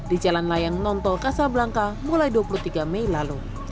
di jalan layang nontol kasablangka mulai dua puluh tiga mei lalu